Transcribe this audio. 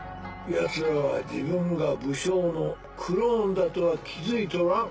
ヤツらは自分が武将のクローンだとは気付いとらん。